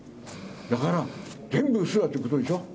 だから全部うそだっていうことでしょ。